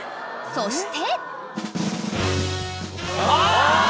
［そして］